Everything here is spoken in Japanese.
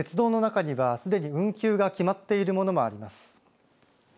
鉄道の中にはすでに運休が決まっているものもあります。